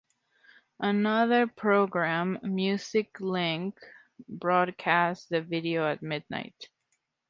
Another program, "Music Link", broadcast the video at midnight.